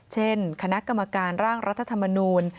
เช่นคณะกรรมการร่างรัฐธรรมนูล